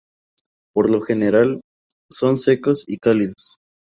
Por lo general, son secos y cálidos.